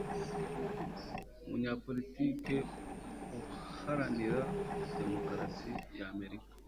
umunyapolitiki uharanira demokarasi ya amerika